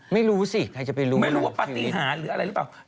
ไม่รู้สิใครจะไปรู้ไม่รู้ว่าปฏิหารหรืออะไรหรือเปล่า